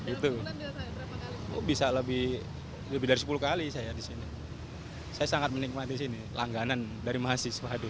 itu bisa lebih lebih dari sepuluh kali saya di sini saya sangat menikmati sini langganan dari mahasiswa aduh